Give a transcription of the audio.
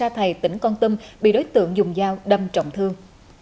gia thầy tỉnh con tâm bị đối tượng dùng dao đâm trọng thương